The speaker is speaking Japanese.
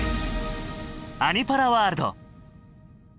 「アニ×パラワールド」！